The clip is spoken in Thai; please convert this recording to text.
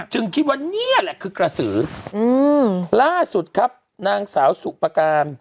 คิดว่านี่แหละคือกระสือล่าสุดครับนางสาวสุปการ